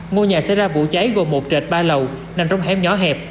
ngôi nhà xảy ra vụ cháy gồm một trệt ba lầu nằm trong hẻm nhỏ hẹp